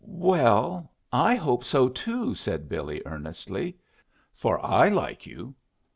"Well, I hope so too," said Billy, earnestly. "For I like you.